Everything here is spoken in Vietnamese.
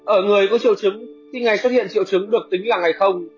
ở người có triệu chứng thì ngày xuất hiện triệu chứng được tính là ngày không